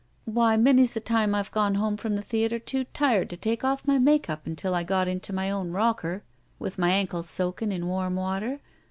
Why, many's the time I've gone home from the theater, too tired to take off my make up imtil I got into my own rocker with my ankles soaking in warm water.